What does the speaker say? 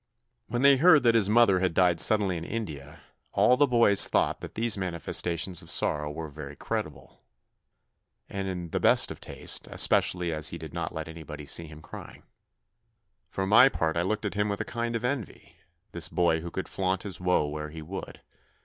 When they heard that his mother had died suddenly in India, all the boys thought that these manifestations of sorrow were very creditable, and in the best of taste, especially as he did not let anybody see him crying. For 66 THE NEW BOY my part I looked at him with a kind of envy, this boy who could flaunt his woe where he would.